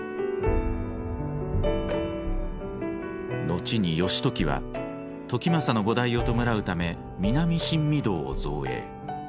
後に義時は時政の菩提を弔うため南新御堂を造営。